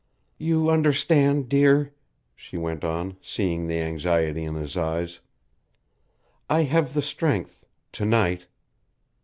"You understand, dear," she went on, seeing the anxiety in his eyes. "I have the strength to night.